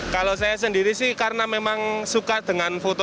kalau saya sendiri sih karena memang suka dengan foto